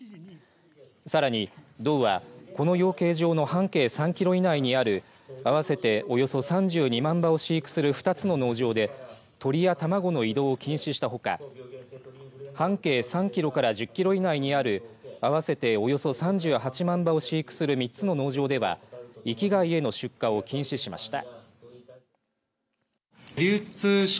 さらに道は、この養鶏場の半径３キロ以内にある合わせて、およそ３２万羽を飼育する２つの養鶏場で鶏や卵の移動を禁止したほか半径３キロから１０キロ以内にある合わせて、およそ３８万羽を飼育する３つの農場では域外への出荷を禁止しました。